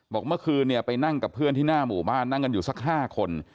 บอกเมื่อคืนเนี่ยไปนั่งกับเพื่อนที่หน้าหมู่บ้านนั่งกันอยู่สัก๕คน